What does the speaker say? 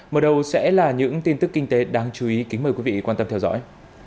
mở đầu sẽ là những tin tức kinh tế đáng chú ý kính mời quý vị quan tâm theo dõi